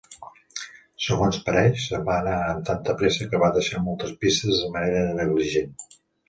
Segons pareix, se'n va anar amb tanta pressa que va deixar moltes pistes de manera negligent.